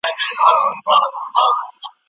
ایا څراغ به بیا په خپله روښانه شي؟